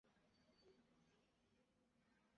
就让那个王子去晃动吧！